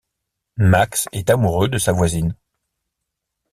Max est amoureux de sa voisine.